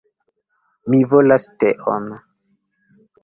Mi volas teon!